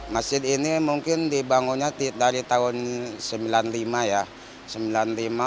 masjid ini mungkin dibangunnya dari tahun seribu sembilan ratus sembilan puluh lima ya